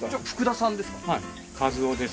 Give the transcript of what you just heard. はい一夫です